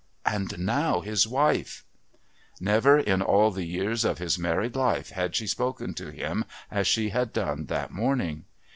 And now his wife! Never in all the years of his married life had she spoken to him as she had done that morning.